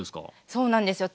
そうなんですよ。